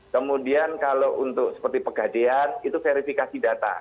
kemudian kalau untuk seperti pegadean itu verifikasi data